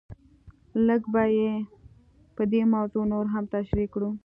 لږ به یې په دې موضوع نور هم تشریح کړو.